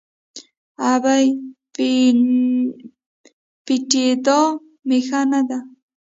– ابۍ! پټېدا مې ښه نه ده.